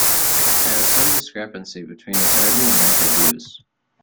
There is some discrepancy between his early and later views.